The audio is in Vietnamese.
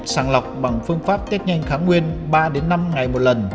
sàng lọc bằng phương pháp test nhanh kháng nguyên ba năm ngày một lần